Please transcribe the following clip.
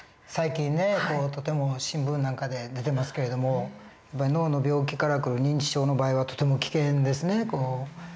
最近ねとても新聞なんかで出てますけれども脳の病気から来る認知症の場合はとても危険ですね。